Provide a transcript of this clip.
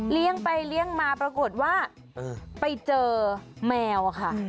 เลี้ยงไปเลี้ยงมาปรากฏว่าไปเจอแมวอะค่ะ